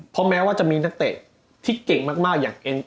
เพราะแม้ว่าจะมีนักเตะที่เก่งมากอย่างเอง